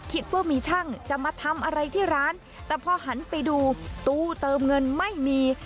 คิดว่ามีช่างจะมาทำอะไรที่ร้านแต่พอหันไปดูตู้เติมเงินไม่มี